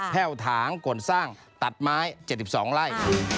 แว่วถางก่นสร้างตัดไม้๗๒ไร่